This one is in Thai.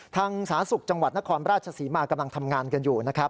ทางสหสัตว์สุขจังหวัดนครราชศรีมากกำลังทำงานกันอยู่